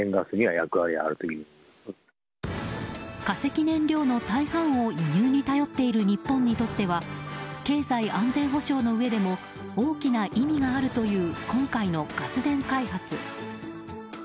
化石燃料の大半を輸入に頼っている日本にとっては経済安全保障のうえでも大きな意味があるという今回のガス田開発。